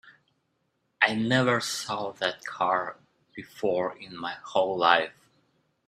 I never saw that car before in my whole life.